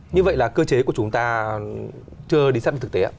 như vậy là cơ chế của chúng ta chưa đi sắp đến thực tế ạ